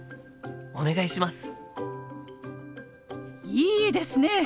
いいですね！